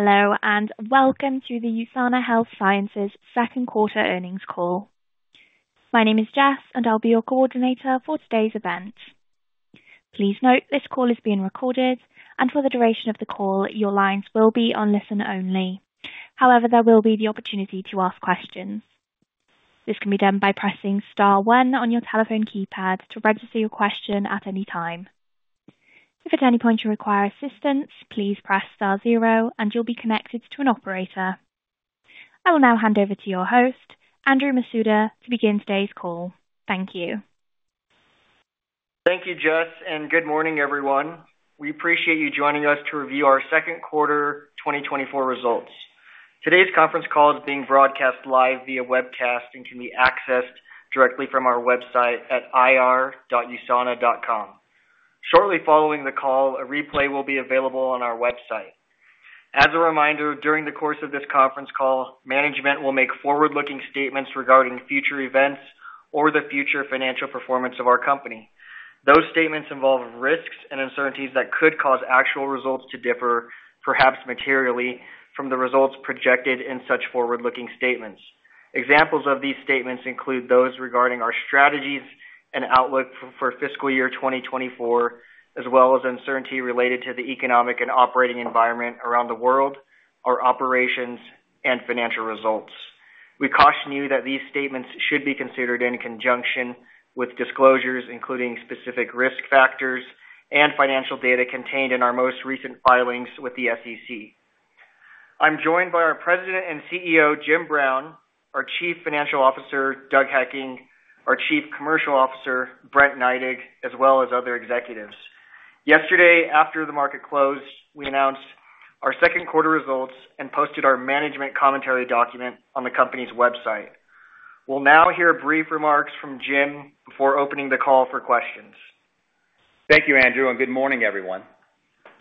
Hello, and welcome to the USANA Health Sciences second quarter earnings call. My name is Jess, and I'll be your coordinator for today's event. Please note, this call is being recorded, and for the duration of the call, your lines will be on listen-only. However, there will be the opportunity to ask questions. This can be done by pressing star one on your telephone keypad to register your question at any time. If at any point you require assistance, please press star zero, and you'll be connected to an operator. I will now hand over to your host, Andrew Masuda, to begin today's call. Thank you. Thank you, Jess, and good morning, everyone. We appreciate you joining us to review our second quarter 2024 results. Today's conference call is being broadcast live via webcast and can be accessed directly from our website at ir.usana.com. Shortly following the call, a replay will be available on our website. As a reminder, during the course of this conference call, management will make forward-looking statements regarding future events or the future financial performance of our company. Those statements involve risks and uncertainties that could cause actual results to differ, perhaps materially, from the results projected in such forward-looking statements. Examples of these statements include those regarding our strategies and outlook for fiscal year 2024, as well as uncertainty related to the economic and operating environment around the world, our operations, and financial results. We caution you that these statements should be considered in conjunction with disclosures, including specific risk factors and financial data contained in our most recent filings with the SEC. I'm joined by our President and CEO, Jim Brown, our Chief Financial Officer, Doug Hekking, our Chief Commercial Officer, Brent Neidig, as well as other executives. Yesterday, after the market closed, we announced our second quarter results and posted our management commentary document on the company's website. We'll now hear brief remarks from Jim before opening the call for questions. Thank you, Andrew, and good morning, everyone.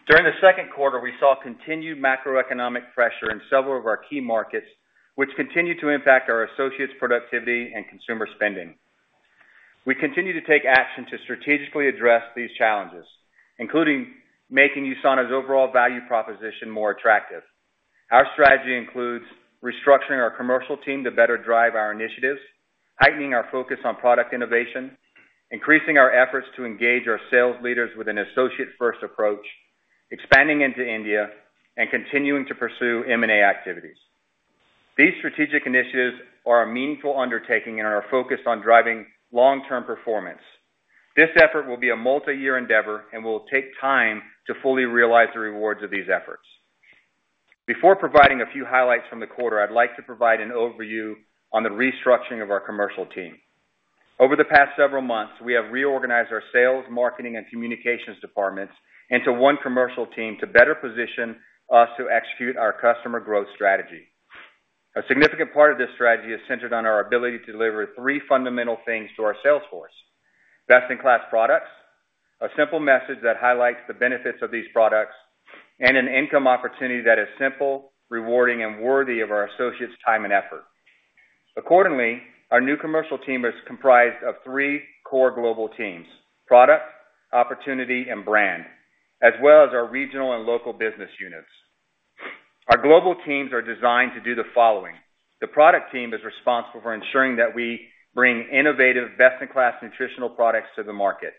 During the second quarter, we saw continued macroeconomic pressure in several of our key markets, which continued to impact our associates' productivity and consumer spending. We continue to take action to strategically address these challenges, including making USANA's overall value proposition more attractive. Our strategy includes restructuring our commercial team to better drive our initiatives, heightening our focus on product innovation, increasing our efforts to engage our sales leaders with an associate-first approach, expanding into India, and continuing to pursue M&A activities. These strategic initiatives are a meaningful undertaking and are focused on driving long-term performance. This effort will be a multi-year endeavor and will take time to fully realize the rewards of these efforts. Before providing a few highlights from the quarter, I'd like to provide an overview on the restructuring of our commercial team. Over the past several months, we have reorganized our sales, marketing, and communications departments into one commercial team to better position us to execute our customer growth strategy. A significant part of this strategy is centered on our ability to deliver three fundamental things to our salesforce: best-in-class products, a simple message that highlights the benefits of these products, and an income opportunity that is simple, rewarding, and worthy of our associates' time and effort. Accordingly, our new commercial team is comprised of three core global teams: product, opportunity, and brand, as well as our regional and local business units. Our global teams are designed to do the following: The product team is responsible for ensuring that we bring innovative, best-in-class nutritional products to the market.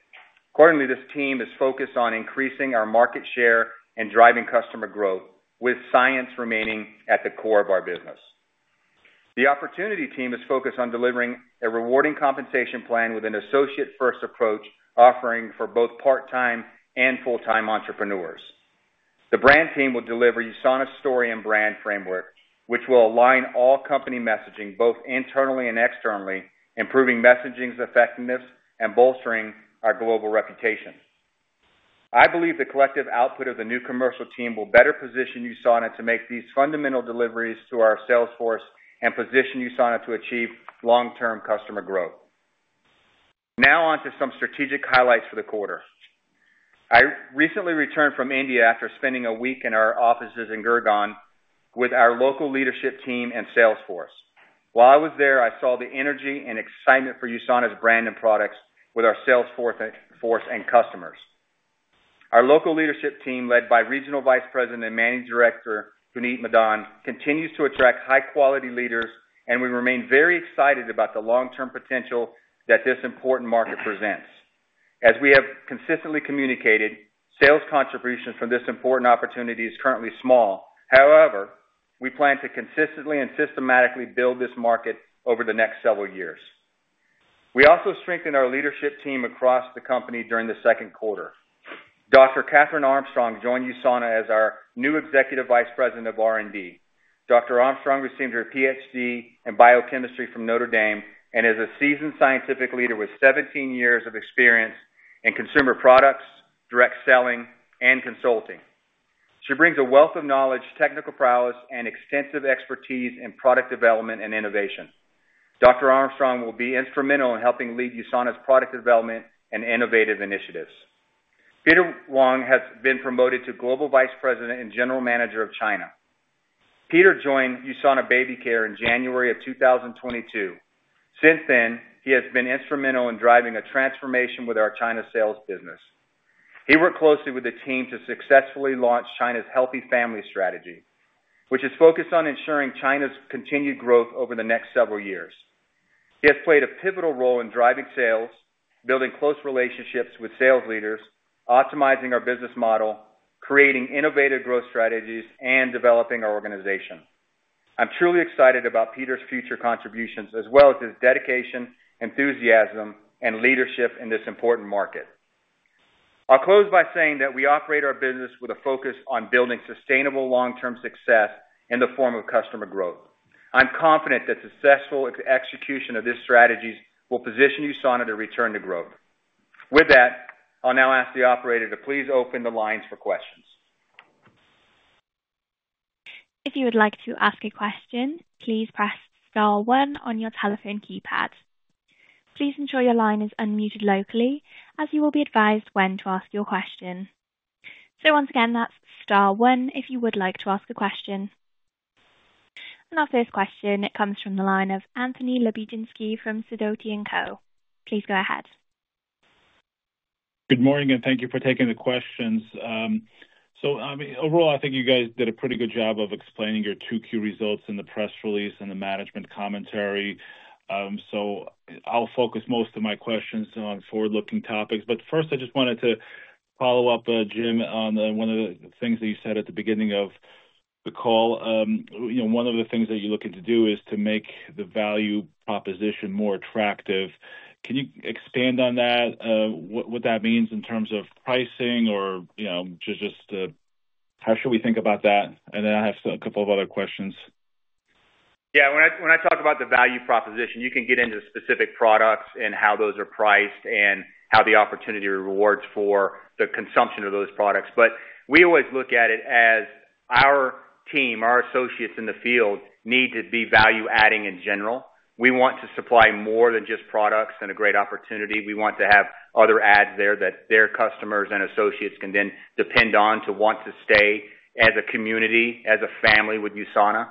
Accordingly, this team is focused on increasing our market share and driving customer growth, with science remaining at the core of our business. The opportunity team is focused on delivering a rewarding compensation plan with an Associate-first approach, offering for both part-time and full-time entrepreneurs. The brand team will deliver USANA's story and brand framework, which will align all company messaging, both internally and externally, improving messaging's effectiveness and bolstering our global reputation. I believe the collective output of the new commercial team will better position USANA to make these fundamental deliveries to our salesforce and position USANA to achieve long-term customer growth. Now, on to some strategic highlights for the quarter. I recently returned from India after spending a week in our offices in Gurgaon with our local leadership team and salesforce. While I was there, I saw the energy and excitement for USANA's brand and products with our salesforce and customers.. Our local leadership team, led by Regional Vice President and Managing Director, Puneet Madan, continues to attract high-quality leaders, and we remain very excited about the long-term potential that this important market presents. As we have consistently communicated, sales contributions from this important opportunity is currently small. However, we plan to consistently and systematically build this market over the next several years. We also strengthened our leadership team across the company during the second quarter. Dr. Kathryn Armstrong joined USANA as our new Executive Vice President of R&D. Dr. Armstrong received her PhD in biochemistry from Notre Dame and is a seasoned scientific leader with 17 years of experience in consumer products, direct selling, and consulting. She brings a wealth of knowledge, technical prowess, and extensive expertise in product development and innovation. Dr. Armstrong will be instrumental in helping lead USANA's product development and innovative initiatives. Peter Wang has been promoted to Global Vice President and General Manager of China. Peter joined USANA BabyCare in January 2022. Since then, he has been instrumental in driving a transformation with our China sales business. He worked closely with the team to successfully launch China's Healthy Family strategy, which is focused on ensuring China's continued growth over the next several years. He has played a pivotal role in driving sales, building close relationships with sales leaders, optimizing our business model, creating innovative growth strategies, and developing our organization. I'm truly excited about Peter's future contributions as well as his dedication, enthusiasm, and leadership in this important market. I'll close by saying that we operate our business with a focus on building sustainable, long-term success in the form of customer growth. I'm confident that successful execution of these strategies will position USANA to return to growth. With that, I'll now ask the operator to please open the lines for questions. If you would like to ask a question, please press star one on your telephone keypad. Please ensure your line is unmuted locally, as you will be advised when to ask your question. Once again, that's star one if you would like to ask a question. Our first question, it comes from the line of Anthony Lebiedzinski from Sidoti & Co. Please go ahead. Good morning, and thank you for taking the questions. So, I mean, overall, I think you guys did a pretty good job of explaining your 2Q results in the press release and the management commentary. So I'll focus most of my questions on forward-looking topics. But first, I just wanted to follow up, Jim, on one of the things that you said at the beginning of the call. You know, one of the things that you're looking to do is to make the value proposition more attractive. Can you expand on that? What that means in terms of pricing or, you know, just how should we think about that? And then I have a couple of other questions. Yeah. When I talk about the value proposition, you can get into specific products and how those are priced and how the opportunity rewards for the consumption of those products. But we always look at it as our team, our associates in the field, need to be value-adding in general. We want to supply more than just products and a great opportunity. We want to have other ads there that their customers and associates can then depend on to want to stay as a community, as a family with USANA.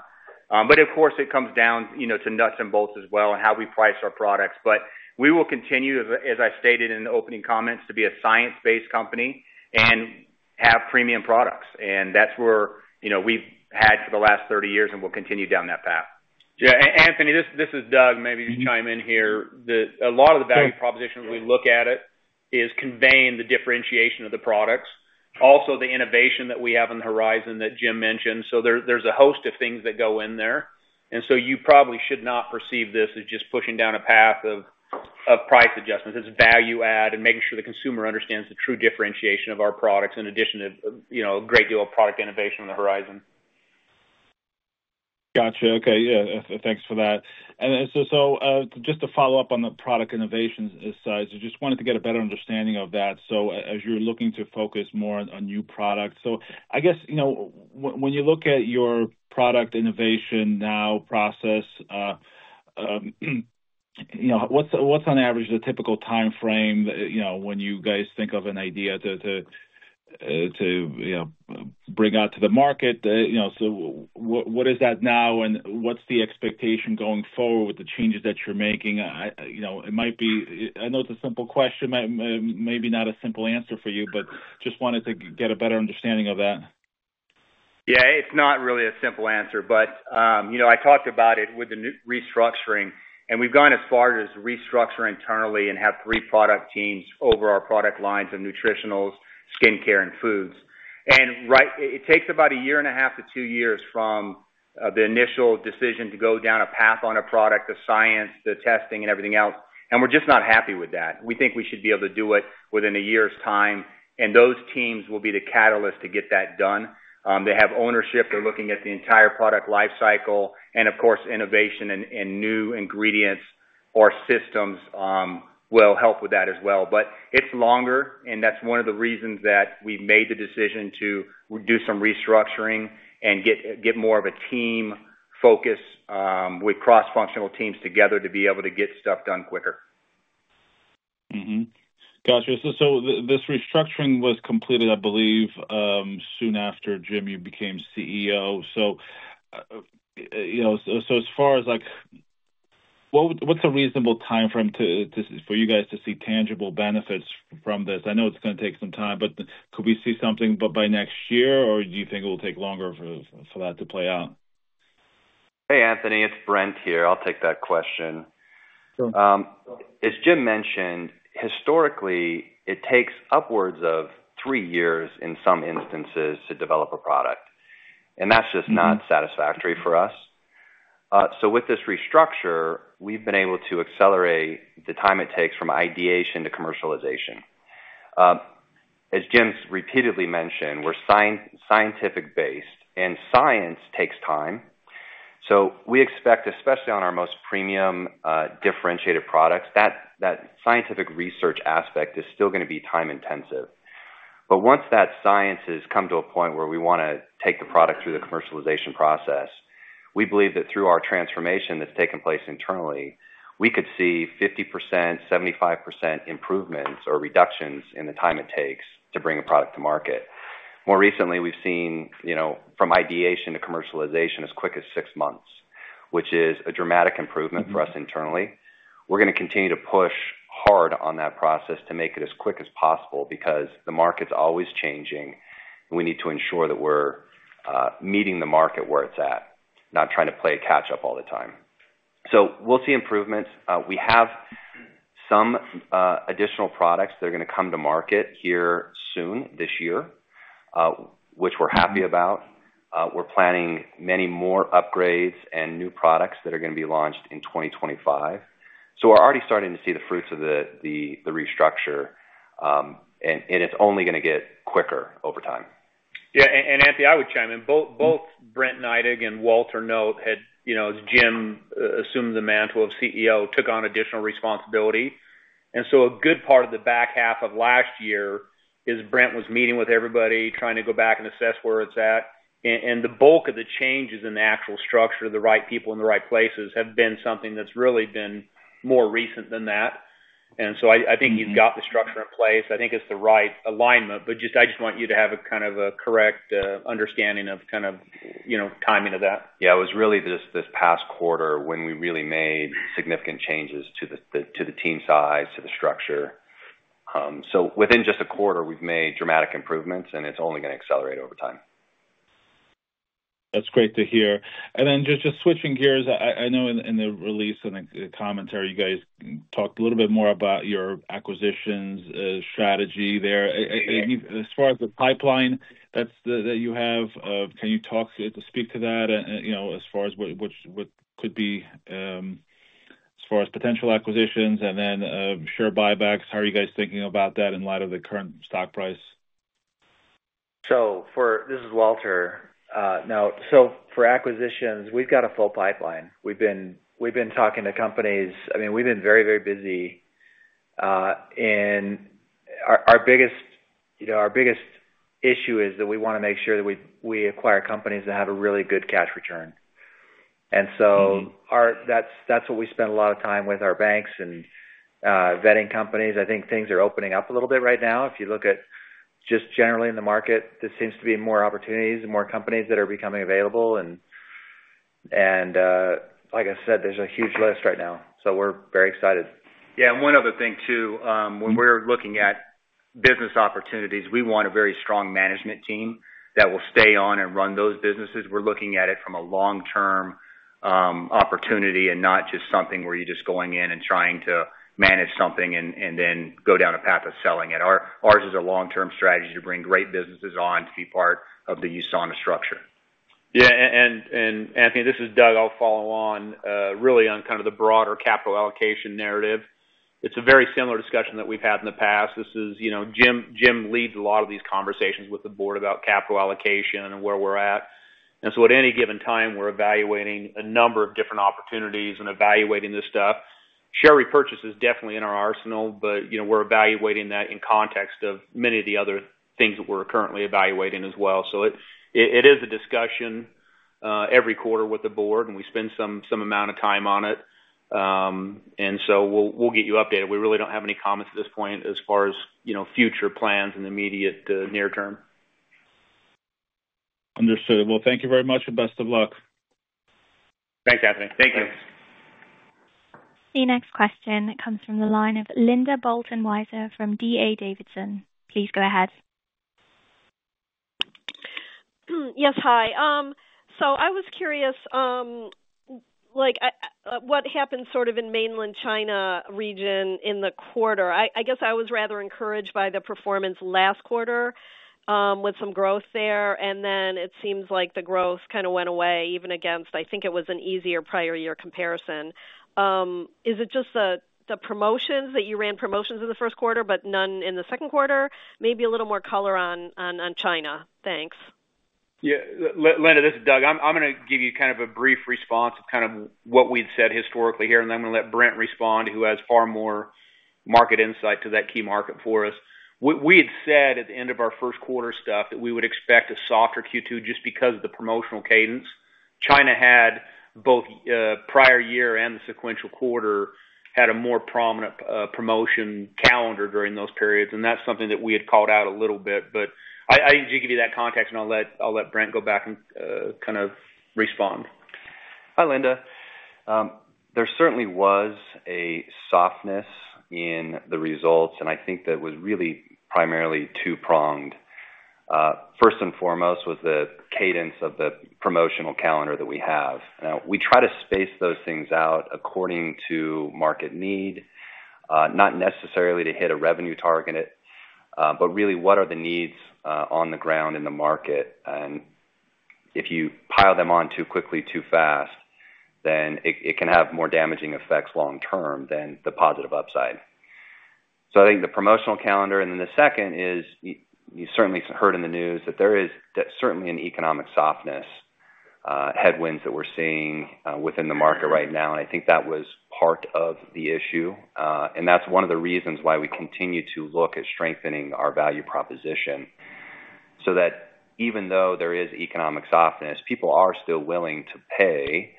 But of course, it comes down, you know, to nuts and bolts as well, and how we price our products. But we will continue, as I stated in the opening comments, to be a science-based company and have premium products, and that's where, you know, we've had for the last 30 years, and we'll continue down that path. Yeah, Anthony, this is Doug. Maybe chime in here. A lot of the value propositions we look at it, is conveying the differentiation of the products, also the innovation that we have on the horizon that Jim mentioned. So there, there's a host of things that go in there, and so you probably should not perceive this as just pushing down a path of price adjustments. It's value add and making sure the consumer understands the true differentiation of our products, in addition to, you know, a great deal of product innovation on the horizon. Gotcha. Okay. Yeah, thanks for that. And then so, so, just to follow up on the product innovation side, so just wanted to get a better understanding of that. So as you're looking to focus more on, on new products. So I guess, you know, when you look at your product innovation now process, you know, what's, what's on average, the typical timeframe, you know, when you guys think of an idea to, to, to, you know, bring out to the market? You know, so what, what is that now, and what's the expectation going forward with the changes that you're making? You know, it might be... I know it's a simple question, maybe not a simple answer for you, but just wanted to get a better understanding of that. Yeah, it's not really a simple answer. I talked about it with the new restructuring, and we've gone as far as restructuring internally and have three product teams over our product lines of nutritionals, skincare, and foods. It takes about a year and a half to two years from the initial decision to go down a path on a product, the science, the testing and everything else, and we're just not happy with that. We think we should be able to do it within a year's time, and those teams will be the catalyst to get that done. They have ownership. They're looking at the entire product life cycle, and of course, innovation and new ingredients or systems will help with that as well. It's longer, and that's one of the reasons that we made the decision to do some restructuring and get more of a team focus with cross-functional teams together, to be able to get stuff done quicker. Mm-hmm. Got you. So, this restructuring was completed, I believe, soon after, Jim, you became CEO. So, you know, so, as far as, like, what would... What's a reasonable timeframe to, to for you guys to see tangible benefits from this? I know it's gonna take some time, but could we see something by, by next year, or do you think it will take longer for, for that to play out? Hey, Anthony, it's Brent here. I'll take that question. Sure. As Jim mentioned, historically, it takes upwards of three years in some instances to develop a product, and that's just not satisfactory for us. So with this restructure, we've been able to accelerate the time it takes from ideation to commercialization. As Jim's repeatedly mentioned, we're science, scientific based, and science takes time. So we expect, especially on our most premium, differentiated products, that scientific research aspect is still gonna be time intensive. But once that science has come to a point where we wanna take the product through the commercialization process, we believe that through our transformation that's taken place internally, we could see 50%, 75% improvements or reductions in the time it takes to bring a product to market. More recently, we've seen, you know, from ideation to commercialization, as quick as six months, which is a dramatic improvement for us internally. We're gonna continue to push hard on that process to make it as quick as possible, because the market's always changing, and we need to ensure that we're meeting the market where it's at, not trying to play catch up all the time. So we'll see improvements. We have some additional products that are gonna come to market here soon, this year, which we're happy about. We're planning many more upgrades and new products that are gonna be launched in 2025. So we're already starting to see the fruits of the restructure, and it's only gonna get quicker over time. Yeah, and Anthony, I would chime in. Both Brent Neidig and Walter Noot had, you know, as Jim assumed the mantle of CEO, took on additional responsibility. And so a good part of the back half of last year is Brent was meeting with everybody, trying to go back and assess where it's at. And the bulk of the changes in the actual structure, the right people in the right places, have been something that's really been more recent than that. And so I think you've got the structure in place. I think it's the right alignment, but just - I just want you to have a kind of a correct understanding of kind of, you know, timing of that. Yeah, it was really this, this past quarter when we really made significant changes to the, to the team size, to the structure. So within just a quarter, we've made dramatic improvements, and it's only gonna accelerate over time. That's great to hear. And then just switching gears, I know in the release and the commentary, you guys talked a little bit more about your acquisitions strategy there. And as far as the pipeline that you have, can you speak to that, you know, as far as what could be, as far as potential acquisitions and then share buybacks? How are you guys thinking about that in light of the current stock price? This is Walter. Now, so for acquisitions, we've got a full pipeline. We've been talking to companies. I mean, we've been very, very busy, and our biggest issue, you know, is that we wanna make sure that we acquire companies that have a really good cash return. That's what we spend a lot of time with our banks and vetting companies. I think things are opening up a little bit right now. If you look at just generally in the market, there seems to be more opportunities and more companies that are becoming available. And like I said, there's a huge list right now, so we're very excited. Yeah, and one other thing, too, when we're looking at business opportunities, we want a very strong management team that will stay on and run those businesses. We're looking at it from a long-term opportunity and not just something where you're just going in and trying to manage something and, and then go down a path of selling it. Ours is a long-term strategy to bring great businesses on to be part of the USANA structure. Yeah, Anthony, this is Doug. I'll follow on really on kind of the broader capital allocation narrative. It's a very similar discussion that we've had in the past. This is, you know, Jim. Jim leads a lot of these conversations with the board about capital allocation and where we're at. And so at any given time, we're evaluating a number of different opportunities and evaluating this stuff. Share repurchase is definitely in our arsenal, but, you know, we're evaluating that in context of many of the other things that we're currently evaluating as well. So it is a discussion every quarter with the board, and we spend some amount of time on it. And so we'll get you updated. We really don't have any comments at this point as far as, you know, future plans and immediate near term. Understood. Well, thank you very much, and best of luck. Thanks, Anthony. Thank you. The next question comes from the line of Linda Bolton Weiser from D.A. Davidson. Please go ahead. Yes, hi. So I was curious, like, what happened sort of in mainland China region in the quarter? I guess I was rather encouraged by the performance last quarter, with some growth there, and then it seems like the growth kind of went away, even against, I think it was an easier prior year comparison. Is it just the promotions, that you ran promotions in the first quarter, but none in the second quarter? Maybe a little more color on China. Thanks. Yeah. Linda, this is Doug. I'm gonna give you kind of a brief response to kind of what we've said historically here, and then I'm gonna let Brent respond, who has far more market insight to that key market for us. We had said at the end of our first quarter stuff, that we would expect a softer Q2 just because of the promotional cadence. China had both prior year and the sequential quarter, had a more prominent promotion calendar during those periods, and that's something that we had called out a little bit. But I need to give you that context, and I'll let Brent go back and kind of respond. Hi, Linda. There certainly was a softness in the results, and I think that was really primarily two-pronged. First and foremost, was the cadence of the promotional calendar that we have. Now, we try to space those things out according to market need, not necessarily to hit a revenue target, but really, what are the needs on the ground in the market? And if you pile them on too quickly, too fast, then it can have more damaging effects long term than the positive upside. So I think the promotional calendar, and then the second is, you certainly heard in the news that there is certainly an economic softness, headwinds that we're seeing, within the market right now, and I think that was part of the issue. And that's one of the reasons why we continue to look at strengthening our value proposition. So that even though there is economic softness, people are still willing to pay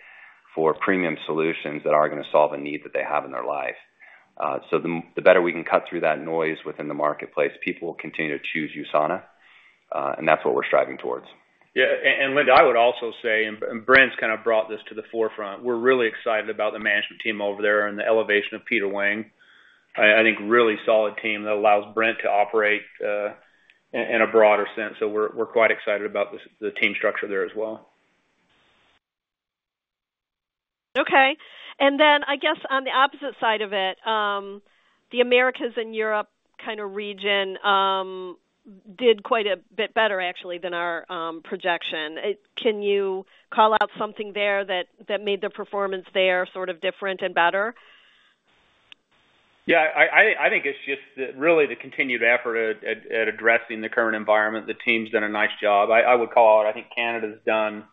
for premium solutions that are going to solve a need that they have in their life. So the better we can cut through that noise within the marketplace, people will continue to choose USANA, and that's what we're striving towards. Yeah, and Linda, I would also say, and Brent's kind of brought this to the forefront. We're really excited about the management team over there and the elevation of Peter Wang. I think, really solid team that allows Brent to operate in a broader sense. So we're quite excited about the team structure there as well. Okay. And then I guess on the opposite side of it, the Americas and Europe kind of region did quite a bit better actually than our projection. Can you call out something there that made the performance there sort of different and better? Yeah, I think it's just that really the continued effort at addressing the current environment. The team's done a nice job. I would call out, I think Canada's done,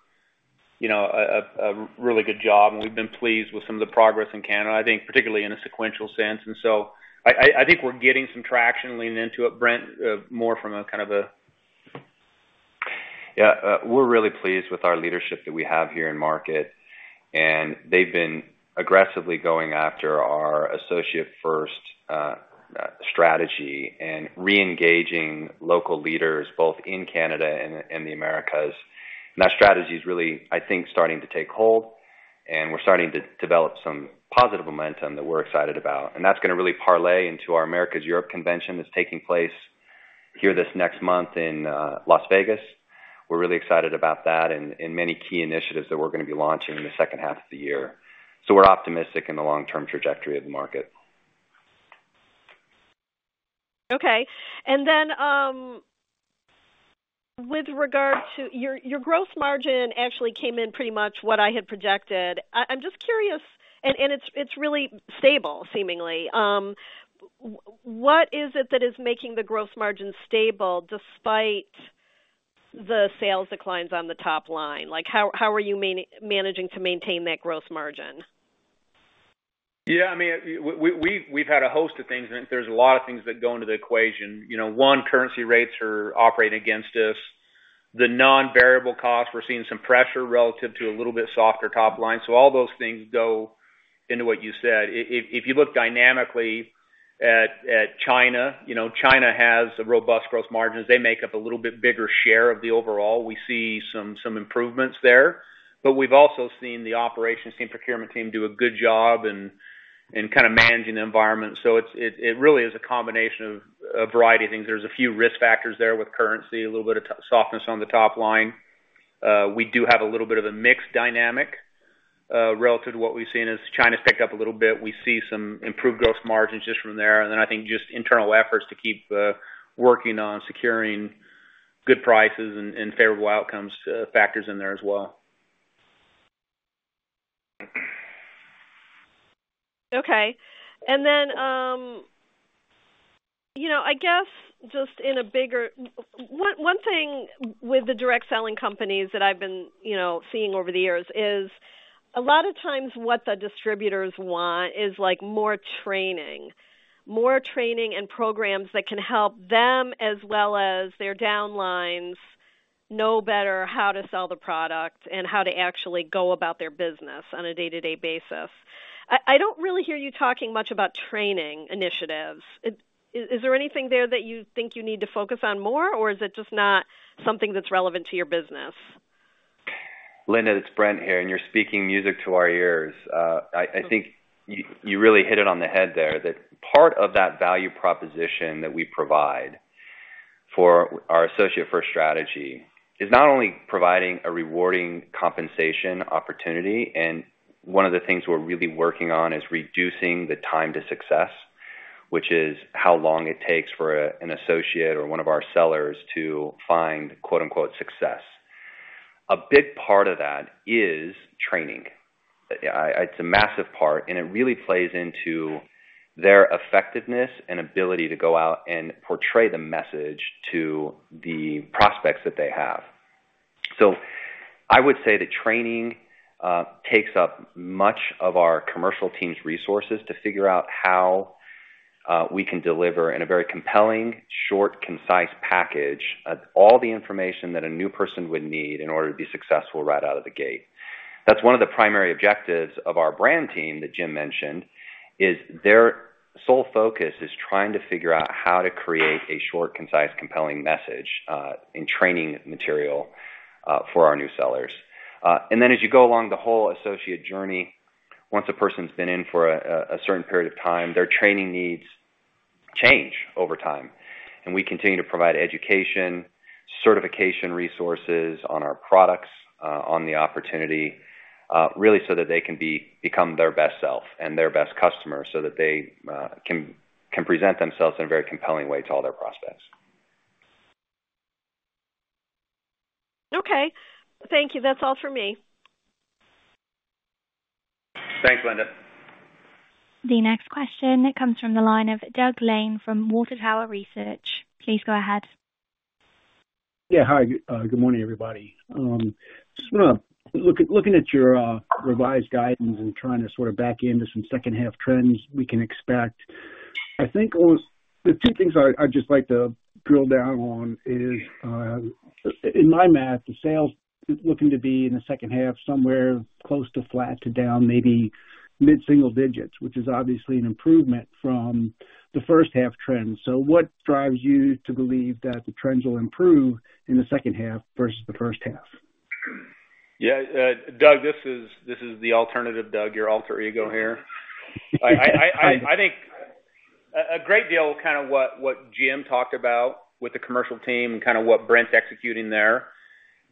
you know, a really good job, and we've been pleased with some of the progress in Canada, I think particularly in a sequential sense. And so I think we're getting some traction leaning into it, Brent, more from a kind of. Yeah. We're really pleased with our leadership that we have here in market, and they've been aggressively going after our associate first strategy and reengaging local leaders, both in Canada and the Americas. That strategy is really, I think, starting to take hold, and we're starting to develop some positive momentum that we're excited about. That's gonna really parlay into our Americas Europe convention that's taking place here this next month in Las Vegas. We're really excited about that and many key initiatives that we're gonna be launching in the second half of the year. We're optimistic in the long-term trajectory of the market. Okay. And then, with regard to your gross margin actually came in pretty much what I had projected. I'm just curious, and it's really stable, seemingly. What is it that is making the gross margin stable despite the sales declines on the top line? Like, how are you managing to maintain that gross margin? Yeah, I mean, we've had a host of things, and there's a lot of things that go into the equation. You know, one, currency rates are operating against us. The non-variable costs, we're seeing some pressure relative to a little bit softer top line. So all those things go into what you said. If you look dynamically at China, you know, China has a robust gross margins. They make up a little bit bigger share of the overall. We see some improvements there, but we've also seen the operations team, procurement team, do a good job in kind of managing the environment. So it really is a combination of a variety of things. There's a few risk factors there with currency, a little bit of softness on the top line. We do have a little bit of a mixed dynamic, relative to what we've seen as China's picked up a little bit. We see some improved gross margins just from there. And then I think just internal efforts to keep working on securing good prices and favorable outcomes, factors in there as well. Okay. And then, you know, I guess just in a bigger, one thing with the direct selling companies that I've been, you know, seeing over the years is, a lot of times what the distributors want is, like, more training. More training and programs that can help them as well as their downlines know better how to sell the product and how to actually go about their business on a day-to-day basis. I don't really hear you talking much about training initiatives. Is there anything there that you think you need to focus on more, or is it just not something that's relevant to your business? Linda, it's Brent here, and you're speaking music to our ears. I think you really hit it on the head there, that part of that value proposition that we provide for our associate first strategy is not only providing a rewarding compensation opportunity, and one of the things we're really working on is reducing the time to success, which is how long it takes for an associate or one of our sellers to find, quote, unquote, "success." A big part of that is training. It's a massive part, and it really plays into their effectiveness and ability to go out and portray the message to the prospects that they have. I would say that training takes up much of our commercial team's resources to figure out how we can deliver in a very compelling, short, concise package all the information that a new person would need in order to be successful right out of the gate. That's one of the primary objectives of our brand team that Jim mentioned, is their sole focus is trying to figure out how to create a short, concise, compelling message in training material for our new sellers. As you go along the whole associate journey, once a person's been in for a certain period of time, their training needs change over time. We continue to provide education, certification, resources on our products, on the opportunity, really so that they can become their best self and their best customer, so that they can present themselves in a very compelling way to all their prospects. Okay. Thank you. That's all for me. Thanks, Linda. The next question comes from the line of Doug Lane from Water Tower Research. Please go ahead. Yeah, hi. Good morning, everybody. Looking at your revised guidance and trying to sort of back into some second half trends we can expect. I think those, the two things I'd just like to drill down on is, in my math, the sales is looking to be in the second half, somewhere close to flat to down, maybe mid-single digits, which is obviously an improvement from the first half trend. So what drives you to believe that the trends will improve in the second half versus the first half? Yeah, Doug, this is the alternative Doug, your alter ego here. I think a great deal of kind of what Jim talked about with the commercial team and kind of what Brent's executing there,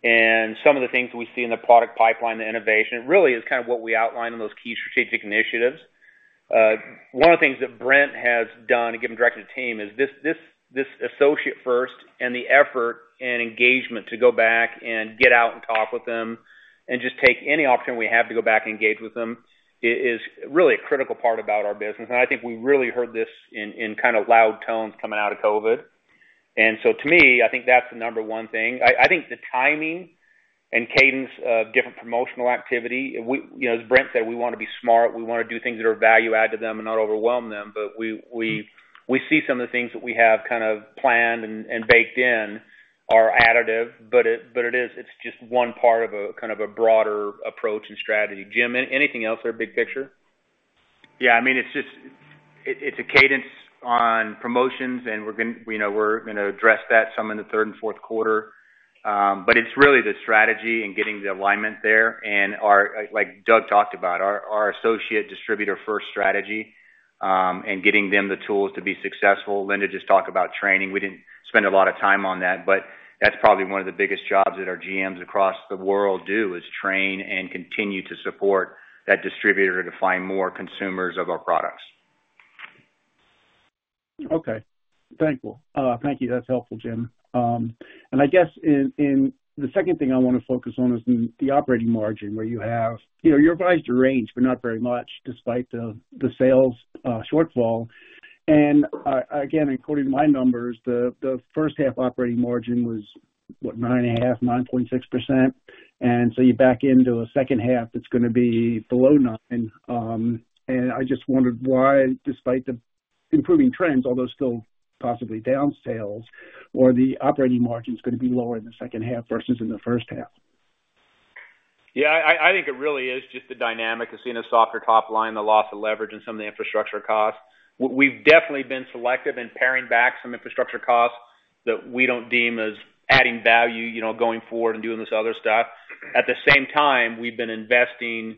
and some of the things we see in the product pipeline, the innovation, really is kind of what we outlined in those key strategic initiatives. One of the things that Brent has done and given direct to the team is this associate first, and the effort and engagement to go back and get out and talk with them and just take any opportunity we have to go back and engage with them is really a critical part about our business. I think we really heard this in kind of loud tones coming out of COVID. And so to me, I think that's the number one thing. I think the timing and cadence of different promotional activity, we, you know, as Brent said, we wanna be smart. We wanna do things that are value add to them and not overwhelm them. But we see some of the things that we have kind of planned and baked in are additive, but it is, it's just one part of a kind of a broader approach and strategy. Jim, anything else or big picture? Yeah, I mean, it's a cadence on promotions, and we're gonna address that some in the third and fourth quarter. But it's really the strategy and getting the alignment there. And like Doug talked about, our associate distributor first strategy, and getting them the tools to be successful. Linda just talked about training. We didn't spend a lot of time on that, but that's probably one of the biggest jobs that our GMs across the world do, is train and continue to support that distributor to find more consumers of our products. Okay. Thank you. Thank you. That's helpful, Jim. And I guess in the second thing I wanna focus on is the operating margin, where you have, you know, you revised your range, but not very much, despite the sales shortfall. And again, according to my numbers, the first half operating margin was, what? 9.5%, 9.6%. And so you back into a second half, that's gonna be below 9%. And I just wondered why, despite the improving trends, although still possibly down sales, or the operating margin is gonna be lower in the second half versus in the first half. Yeah, I think it really is just the dynamic of seeing a softer top line, the loss of leverage and some of the infrastructure costs. We've definitely been selective in paring back some infrastructure costs that we don't deem as adding value, you know, going forward and doing this other stuff. At the same time, we've been investing in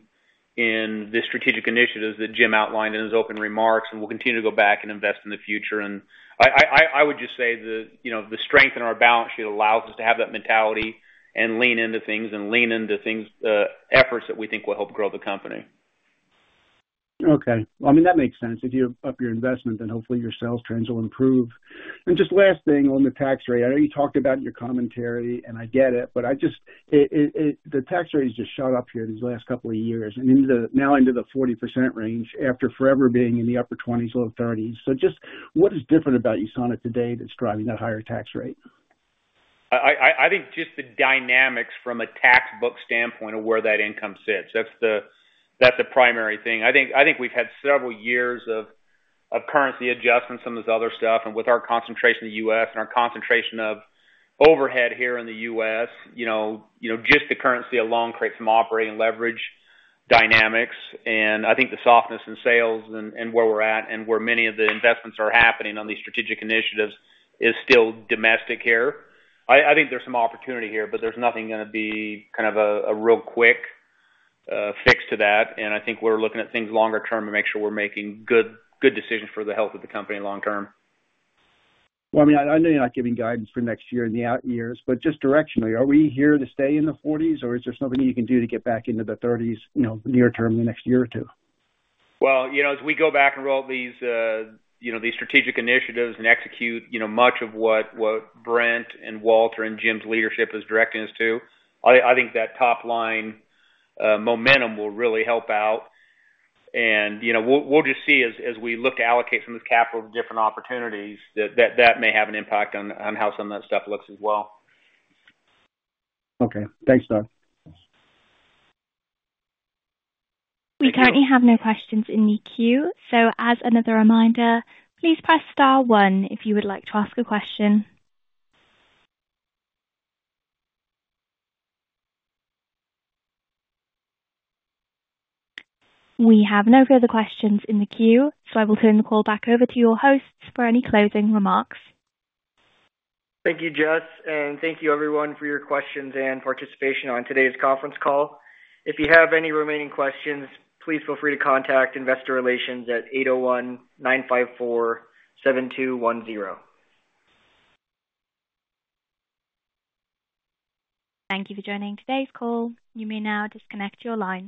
the strategic initiatives that Jim outlined in his opening remarks, and we'll continue to go back and invest in the future. And I would just say that, you know, the strength in our balance sheet allows us to have that mentality and lean into things, efforts that we think will help grow the company. Okay. Well, I mean, that makes sense. If you up your investment, then hopefully your sales trends will improve. Just last thing on the tax rate, I know you talked about in your commentary, and I get it, but I just, the tax rate has just shot up here these last couple of years and now into the 40% range, after forever being in the upper 20s, low 30s. Just what is different about USANA today that's driving that higher tax rate? I think just the dynamics from a tax book standpoint of where that income sits. That's the primary thing. I think we've had several years of currency adjustments, some of this other stuff, and with our concentration in the U.S. and our concentration of overhead here in the U.S., you know, you know, just the currency alone creates some operating leverage dynamics. And I think the softness in sales and where we're at and where many of the investments are happening on these strategic initiatives is still domestic here. I think there's some opportunity here, but there's nothing gonna be kind of a real quick fix to that. And I think we're looking at things longer term to make sure we're making good decisions for the health of the company long term. Well, I mean, I know you're not giving guidance for next year and the out years, but just directionally, are we here to stay in the 40s, or is there something you can do to get back into the 30s, you know, near term, in the next year or two? Well, you know, as we go back and roll these, you know, these strategic initiatives and execute, you know, much of what Brent and Walter and Jim's leadership is directing us to, I think that top line momentum will really help out. And, you know, we'll just see as we look to allocate some of the capital to different opportunities, that may have an impact on how some of that stuff looks as well. Okay. Thanks, Doug. We currently have no questions in the queue. So as another reminder, please press star one if you would like to ask a question. We have no further questions in the queue, so I will turn the call back over to your hosts for any closing remarks. Thank you, Jess, and thank you, everyone, for your questions and participation on today's conference call. If you have any remaining questions, please feel free to contact investor relations at 801-954-7210. Thank you for joining today's call. You may now disconnect your lines.